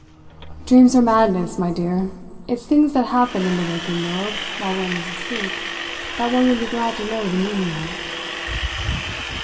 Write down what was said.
"Dreams are madness, my dear. It's things that happen in the waking world, while one is asleep, that one would be glad to know the meaning of."